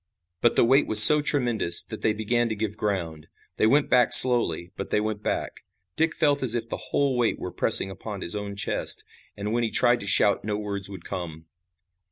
But the weight was so tremendous that they began to give ground. They went back slowly, but they went back. Dick felt as if the whole weight were pressing upon his own chest, and when he tried to shout no words would come.